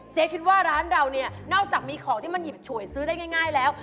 คิดว่าร้านเราเนี่ยนอกจากมีของที่มันหยิบฉวยซื้อได้ง่ายแล้ว